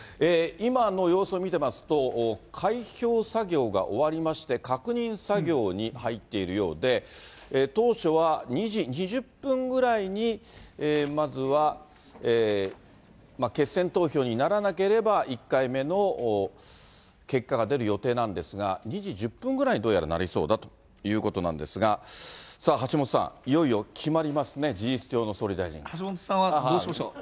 今の様子を見ていますと、開票作業が終わりまして、確認作業に入っているようで、当初は２時２０分ぐらいに、まずは決選投票にならなければ、１回目の結果が出る予定なんですが、２時１０分ぐらいにどうやらなりそうだということなんですが、さあ、はしもとさん、いよいよ決まりますね、事実上の総理大臣。はしもとさんはどうしましょう？